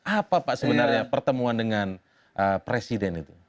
apa pak sebenarnya pertemuan dengan presiden itu